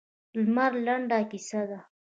لمر لنډه کیسه ده.